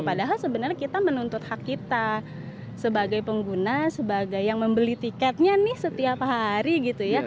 padahal sebenarnya kita menuntut hak kita sebagai pengguna sebagai yang membeli tiketnya nih setiap hari gitu ya